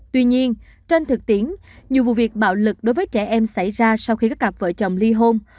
tuy nhiên trên thực tiễn nhiều vụ việc bạo lực đối với trẻ em xảy ra sau khi có cặp vợ chồng ly hôn